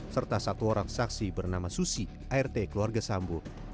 serta satu orang saksi bernama susi art keluarga sambo